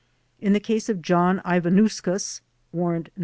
In the case of John Ivanauskas (Warrant No.